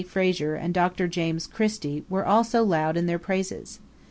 Fraser and Dr. James Christie were also loud in their praises.